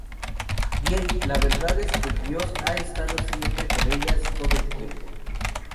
Bien, la verdad es que Dios ha estado siempre con ellas todo el tiempo".